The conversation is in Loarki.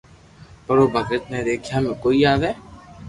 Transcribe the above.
پر او ڀگت ني ديکيا ۾ ڪوئي آوي